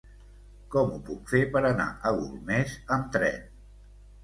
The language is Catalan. Com ho puc fer per anar a Golmés amb tren?